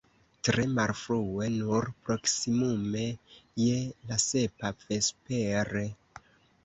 Tre malfrue, nur proksimume je la sepa vespere.